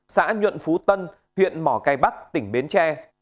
xã nhuận phú tân huyện mỏ cây bắc tỉnh bến tre